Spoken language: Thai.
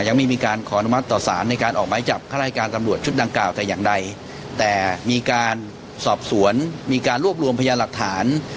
ยังไม่มีการขออนุมัติต่อสารในการออกไม้จับข้าราชการตำรวจชุดดังกล่าวแต่อย่างใดแต่มีการสอบสวนมีการรวบรวมพยานหลักฐาน